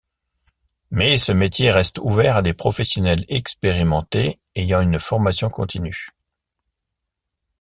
Mais, ce métier reste ouvert à des professionnels expérimentés ayant une formation continue.